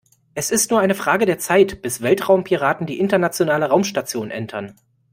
Es ist nur eine Frage der Zeit, bis Weltraumpiraten die Internationale Raumstation entern.